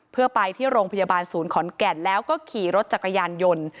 เพื่อไปที่โรงพยาบาลศูนย์ขอนแก่นแล้วก็ขี่รถจักรยานยนต์